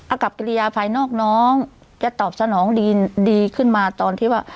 กับกิริยาภายนอกน้องจะตอบสนองดีขึ้นมาตอนที่ว่า